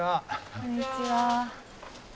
こんにちは。